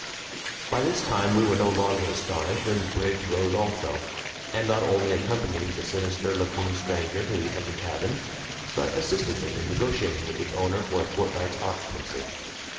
By this time we were no longer astonished when Briggs rose also, and not only accompanied the sinister looking stranger to the empty cabin, but assisted him in negotiating with its owner for a fortnight's occupancy.